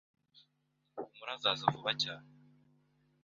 Humura azaza vuba cyane